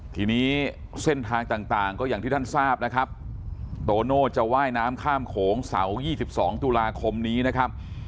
ทีนี้เส้นทางต่างก็อย่างที่ท่านทราบนะครับโตโน่จะว่ายน้ำข้ามโขงเสาร์๒๒ตุลาคมนี้นะครับ